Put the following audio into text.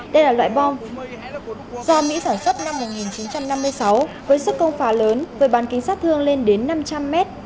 đây là loại bom do mỹ sản xuất năm một nghìn chín trăm năm mươi sáu với sức công phá lớn với bán kính sát thương lên đến năm trăm linh mét